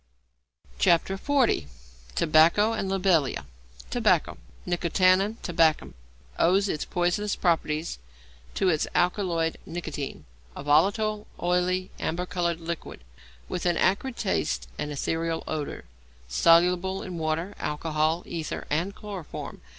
XL. TOBACCO AND LOBELIA =Tobacco.= Nicotiana tabacum owes its poisonous properties to its alkaloid nicotine, a volatile, oily, amber coloured liquid, with an acrid taste and ethereal odour; soluble in water, alcohol, ether, and chloroform.